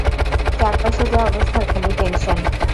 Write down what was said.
চারপাশের যা অবস্থা, খালি টেনশন!